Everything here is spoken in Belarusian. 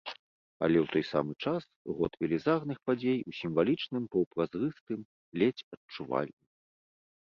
Але ў той самы час год велізарных падзей у сімвалічным, паўпразрыстым, ледзь адчувальным.